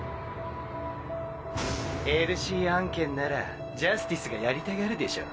エルシー案件ならジャスティスがやりたがるでしょ。